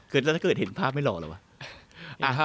คือถ้าเกิดเห็นภาพไม่หล่อแล้ววะ